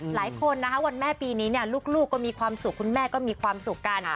หลายคนนะคะวันแม่ปีนี้เนี่ยลูกก็มีความสุขคุณแม่ก็มีความสุขกัน